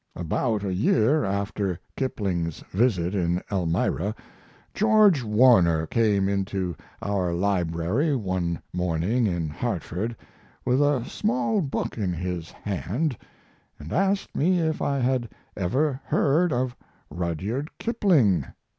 About a year after Kipling's visit in Elmira George Warner came into our library one morning in Hartford with a small book in his hand and asked me if I had ever heard of Rudyard Kipling.